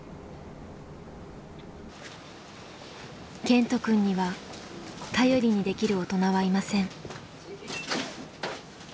健人くんには頼りにできる大人はいません。